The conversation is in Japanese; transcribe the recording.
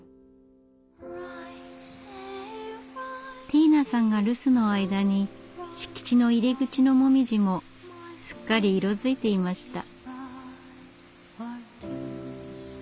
ティーナさんが留守の間に敷地の入り口のモミジもすっかり色づいていました。